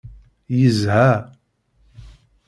Yezha.